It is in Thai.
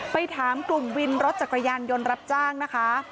ไปถามกลุ่มวินรถจักรยานยนต์รับจ้างนะคะ